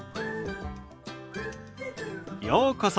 ようこそ。